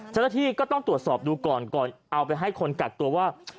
เจ้าหน้าที่ก็ต้องตรวจสอบดูก่อนก่อนเอาไปให้คนกักตัวว่า